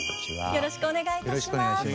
よろしくお願いします。